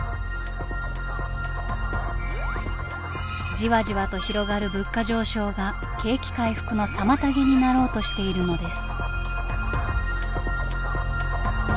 じわじわと広がる物価上昇が景気回復の妨げになろうとしているのです。